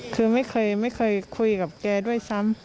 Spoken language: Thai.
คือไม่เคยคุยกับแกด้วยซ้ำ